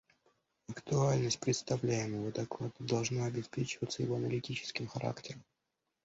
Актуальность представляемого доклада должна обеспечиваться его аналитическим характером.